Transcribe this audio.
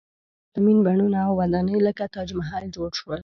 پرتمین بڼونه او ودانۍ لکه تاج محل جوړ شول.